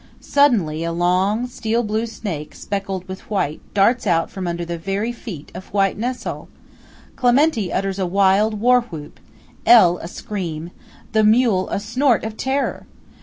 Suddenly a long steel blue snake specked with white, darts out from under the very feet of white Nessol! Clementi utters a wild war whoop–L. a scream–the mule a snort of terror!